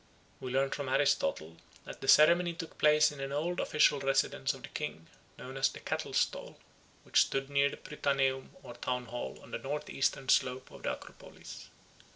We learn from Aristotle that the ceremony took place in the old official residence of the King, known as the Cattle stall, which stood near the Prytaneum or Town hall on the north eastern slope of the Acropolis.